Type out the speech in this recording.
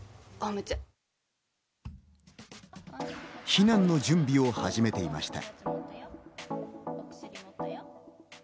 避難の準備を始めていました。